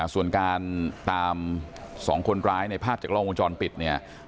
ส่วนการตาม๒คนร้ายในภาพจากล้องวงจรปิดเนี่ย